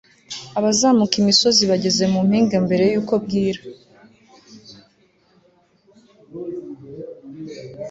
abazamuka imisozi bageze mu mpinga mbere yuko bwira